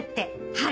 はい！